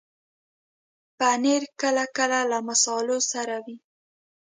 پنېر کله کله له مصالحو سره وي.